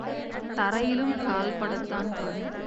தரையிலும் கால் படத்தான் படும்.